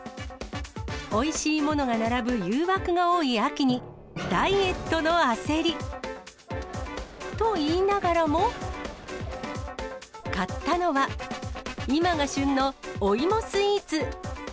おいしいものが並ぶ誘惑が多い秋に、ダイエットの焦り。と言いながらも、買ったのは、今が旬のお芋スイーツ。